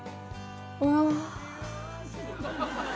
うわ。